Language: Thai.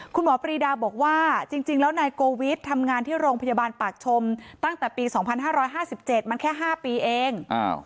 ปรีดาบอกว่าจริงแล้วนายโกวิททำงานที่โรงพยาบาลปากชมตั้งแต่ปี๒๕๕๗มันแค่๕ปีเอง